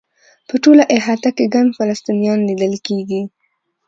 په ټوله احاطه کې ګڼ فلسطینیان لیدل کېږي.